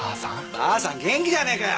ばあさん元気じゃねえかよ！